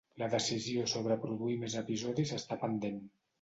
La decisió sobre produir més episodis està pendent .